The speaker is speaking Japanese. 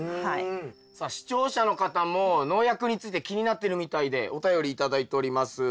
さあ視聴者の方も農薬について気になってるみたいでお便り頂いております。